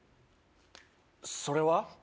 それは？